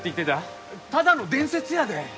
ただの伝説やで！